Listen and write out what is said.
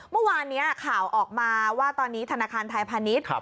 เมื่อวานนี้ข่าวออกมาว่าตอนนี้ธนาคารไทยพาณิชย์